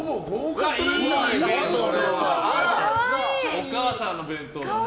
お母さんの弁当だね。